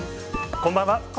こんばんは。